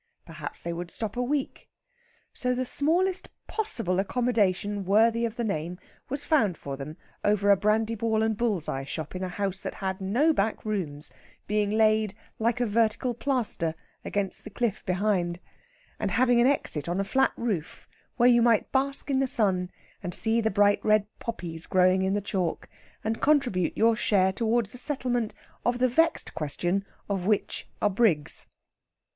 Perhaps they would stop a week. So the smallest possible accommodation worthy of the name was found for them over a brandyball and bull's eye shop in a house that had no back rooms, being laid like a vertical plaster against the cliff behind, and having an exit on a flat roof where you might bask in the sun and see the bright red poppies growing in the chalk, and contribute your share towards a settlement of the vexed question of which are brigs.